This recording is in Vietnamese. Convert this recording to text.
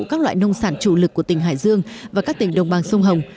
các loại nông sản chủ lực của tỉnh hải dương và các tỉnh đồng bằng sông hồng